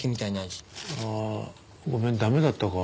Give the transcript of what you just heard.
ああごめん駄目だったか？